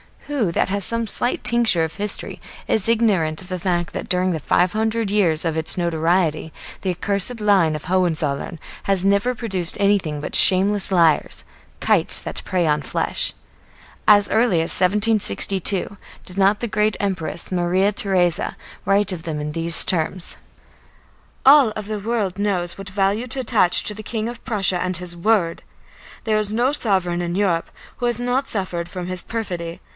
Who that has some slight tincture of history is ignorant of the fact that during the five hundred years of its notoriety the accursed line of the Hohenzollern has never produced anything but shameless liars, kites that prey on flesh. As early as 1762 did not the great Empress Maria Theresa write of them in these terms: "All the world knows what value to attach to the King of Prussia and his word. There is no sovereign in Europe who has not suffered from his perfidy.